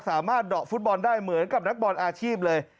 เดาะฟุตบอลได้เหมือนกับนักบอลอาชีพเลย